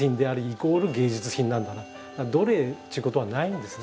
どれっちゅうことはないんですね。